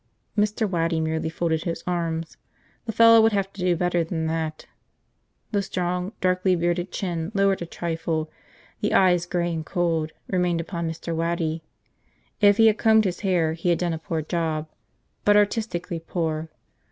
Mr. Waddy merely folded his arms. The fellow would have to do better than that. The strong, darkly bearded chin lowered a trifle; the eyes, gray and cold, remained upon Mr. Waddy. If he had combed his hair he had done a poor job. But artistically poor.